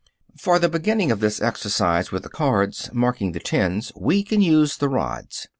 (Fig. 42.) For the beginning of this exercise with the cards marking the tens we can use the rods.